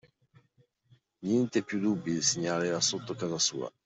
Niente più dubbi, il segnale era sotto casa sua.